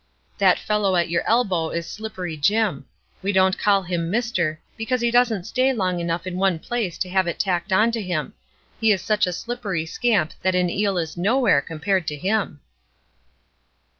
That fellow at your elbow is 'Slippery Jim.' We don't call him 'Mister,' because he doesn't stay long enough in one place to have it tacked on to him. He is such a slippery scamp that an eel is nowhere, compared to him."